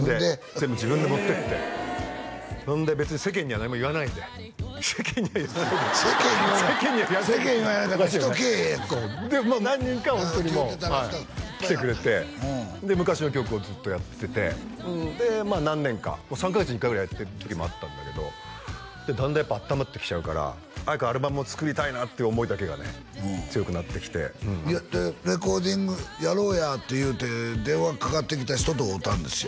全部自分で持っていってそんで別に世間には何も言わないで世間には言わないでっていうか世間言わへんかったら人来えへんやんかでも何人かはホントにもう来てくれて昔の曲をずっとやっててでまあ何年か３カ月に１回ぐらいやってる時もあったんだけどだんだんやっぱあったまってきちゃうから早くアルバムを作りたいなって思いだけがね強くなってきて「レコーディングやろうや」って言うて電話かかってきた人と会うたんですよ